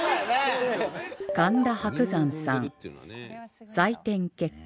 神田伯山さん採点結果